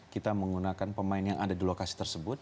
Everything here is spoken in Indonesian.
kita menggunakan pemain yang ada di lokasi tersebut